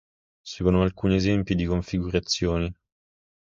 Seguono alcuni esempi di configurazioni.